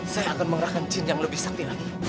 saya akan mengerahkan jin yang lebih sakti lagi